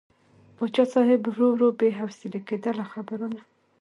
پاچا صاحب ورو ورو بې حوصلې کېده له خبرو نه.